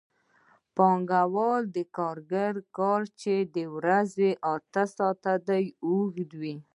پانګوال د کارګر کار چې د ورځې اته ساعته دی اوږدوي